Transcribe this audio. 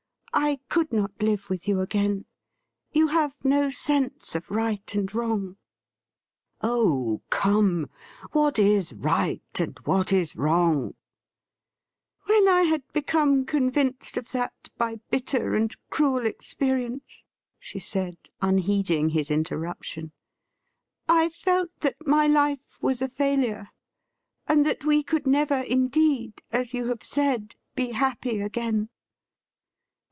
I could not live with you again. You have no sense of right and wrong.' ' Oh, come ! what is right, and what is wrong .'''' When I had become convinced of that by bitter and cruel experience,' she said, unheeding his interruption, ' I felt that my life was a failure, and that we could never indeed, as you have said, be happy again.